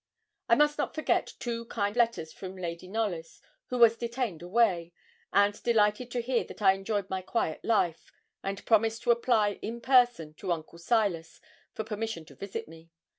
I must not forget two kind letters from Lady Knollys, who was detained away, and delighted to hear that I enjoyed my quiet life; and promised to apply, in person, to Uncle Silas, for permission to visit me.